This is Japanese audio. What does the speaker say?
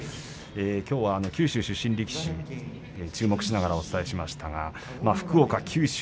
きょうは九州出身力士に注目しながらお伝えしていますが福岡